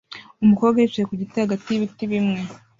Umukobwa yicaye ku giti hagati y'ibiti bimwe